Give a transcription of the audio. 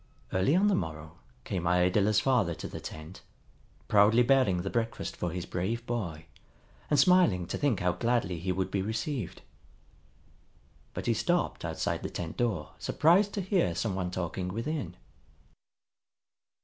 Early on the morrow came Iadilla's father to the tent, proudly bearing the breakfast for his brave boy, and smiling to think how gladly he would be received. But he stopped outside the tent door surprised to hear some one talking within.